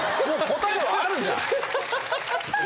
答えはあるじゃん。